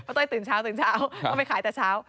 เต้ยตื่นเช้าตื่นเช้าก็ไปขายแต่เช้า